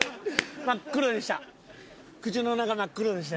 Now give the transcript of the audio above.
真っ黒でした。